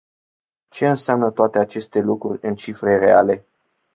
Ce înseamnă toate aceste lucruri în cifre reale?